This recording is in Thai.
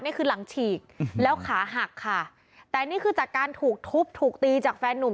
นี่คือหลังฉีกแล้วขาหักค่ะแต่นี่คือจากการถูกทุบถูกตีจากแฟนนุ่ม